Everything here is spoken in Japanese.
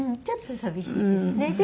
ちょっと寂しいですね。